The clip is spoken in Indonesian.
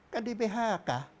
kan di phk